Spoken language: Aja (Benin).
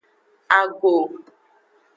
Ago.